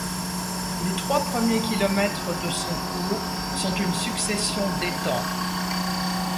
Les trois premiers kilomètres de son cours sont une succession d'étangs.